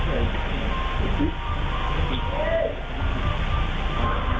แล้วก็มีผู้ชายเดินเข้ามานะครับ